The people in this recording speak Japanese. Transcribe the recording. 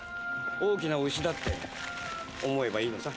大きな牛だって思えばいいのさ。